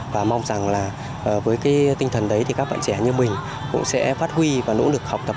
và mong rằng là với cái tinh thần đấy thì các bạn trẻ như mình cũng sẽ phát huy và nỗ lực học tập